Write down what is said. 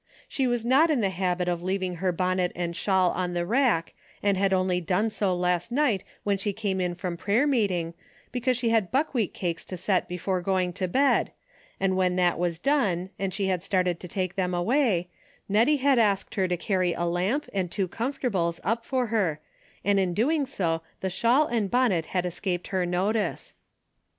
She 84 A DAILY BATE:^ was not in the habit of leaving her bonnet and shawl on the rack, and had only done so last night when she came in from prayer meeting, because she had buckwheat cakes to set before going to bed, and when that was done and she started to take them away, Nettie had asked her to carry a lamp and two comfortables up for her, and in doing so the shawl and bonnet had escaped her notice.